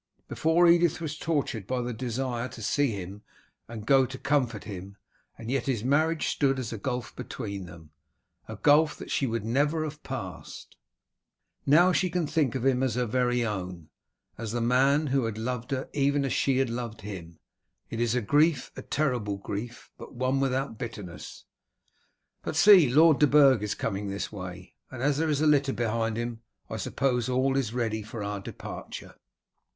Before, Edith was tortured by the desire to see him and to comfort him, and yet his marriage stood as a gulf between them, a gulf that she would never have passed. Now she can think of him as her very own, as the man who had loved her even as she had loved him. It is a grief, a terrible grief, but one without bitterness. But see, Lord de Burg is coming this way, and as there is a litter behind him I suppose all is ready for our departure."